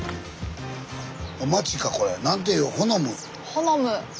ホノム。